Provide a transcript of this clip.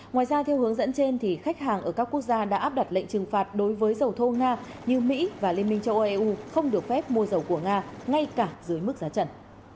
ngoài ra theo hướng dẫn trên khách hàng ở các quốc gia đã áp đặt lệnh trừng phạt đối với dầu thô nga như mỹ và liên minh châu âu eu không được phép mua dầu của nga ngay cả dưới mức giá trần